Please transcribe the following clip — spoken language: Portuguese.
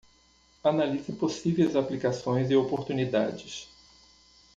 Analise possíveis aplicações e oportunidades